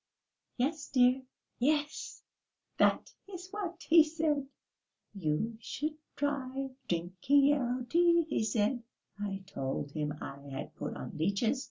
"Yes, dear." "Yes, that was what he said, 'You should try drinking yarrow tea,' he said. I told him I had put on leeches.